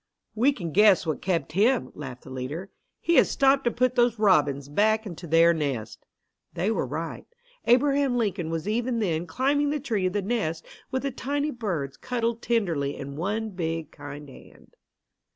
"We can guess what kept him," laughed the leader. "He has stopped to put those robins back into their nest." They were right. Abraham Lincoln was even then climbing the tree to the nest with the tiny birds cuddled tenderly in one big kind hand.